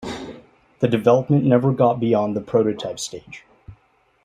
The development never got beyond the prototype stage.